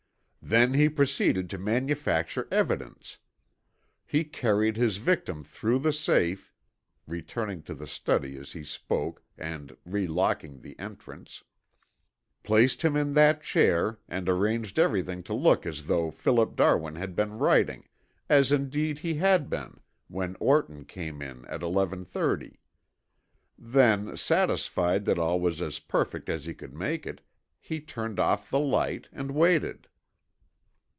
"Then he proceeded to manufacture evidence. He carried his victim through the safe," returning to the study as he spoke and relocking the entrance, "placed him in that chair and arranged everything to look as though Philip Darwin had been writing, as indeed he had been when Orton came in at eleven thirty. Then, satisfied that all was as perfect as he could make it, he turned off the light and waited."